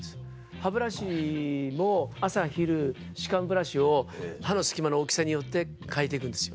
歯ブラシも朝昼歯間ブラシを歯の隙間の大きさによって替えて行くんですよ。